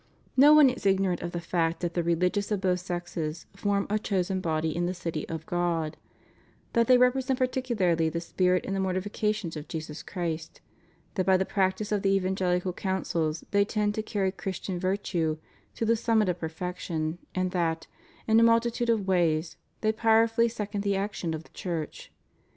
No one is ignorant of the fact that the religious of both sexes form a chosen body in the Gty of God; that they represent particularly the spirit and the mortifications of Jesus Christ; that by the practice of the EvangeHcal Counsels they tend to carry Christian \'irtue to the summit of perfection and that, in a multitude of ways, they powerfully second the action of the Church.